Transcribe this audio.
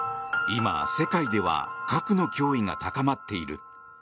今、世界では核の脅威が高まっている。